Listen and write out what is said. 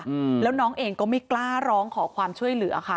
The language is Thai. อืมแล้วน้องเองก็ไม่กล้าร้องขอความช่วยเหลือค่ะ